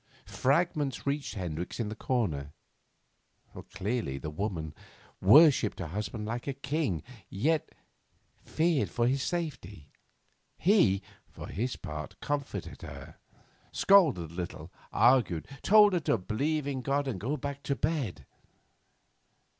Fragments reached Hendricks in his corner. Clearly the woman worshipped her husband like a king, yet feared for his safety. He, for his part, comforted her, scolded a little, argued, told her to 'believe in God and go back to bed.